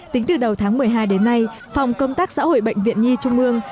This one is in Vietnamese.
tính từ đầu tháng một mươi hai đến nay phòng công tác xã hội bệnh viện nhi trung ương